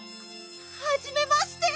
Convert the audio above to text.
はじめまして！